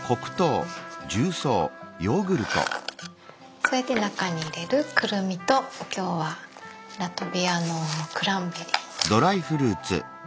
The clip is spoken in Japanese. それで中に入れるくるみと今日はラトビアのクランベリー。